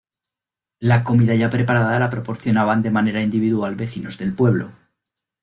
La comida ya preparada la proporcionaban de manera individual vecinos del pueblo.